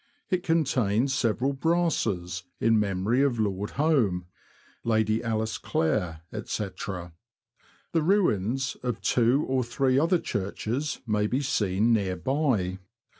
It contains several brasses in memory of Lord Home, Lady Alice Clere, &c. The ruins of two or three other churches may be seen near by, viz..